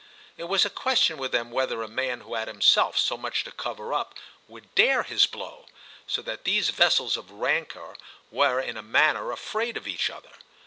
It was a question with them whether a man who had himself so much to cover up would dare his blow; so that these vessels of rancour were in a manner afraid of each other.